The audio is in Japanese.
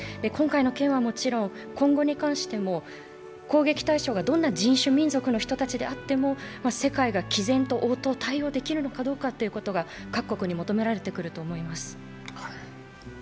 今回の件はもちろん、今後に関しても攻撃対象がどんな人種民族の人たちであっても世界がきぜんと応答を対応できるかどうかということを各国に求められてくると思います。